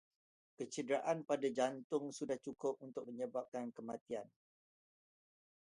Kecederaan pada jantung sudah cukup untuk menyebabkan kematian